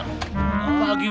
ke man bro